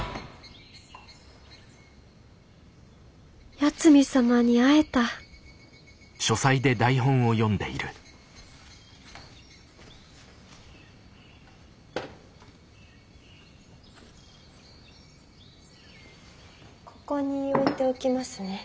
八海サマに会えたここに置いておきますね。